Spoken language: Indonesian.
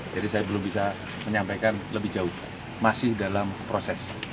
jadi saya belum bisa menyampaikan lebih jauh masih dalam proses